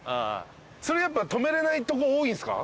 それやっぱ止めれないとこ多いんすか？